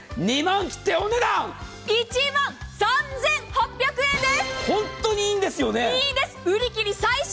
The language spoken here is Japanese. これまた２万切って、お値段１万３８００円です。